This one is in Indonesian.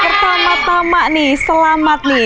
pertama tama nih selamat nih